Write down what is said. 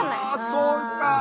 あそうか。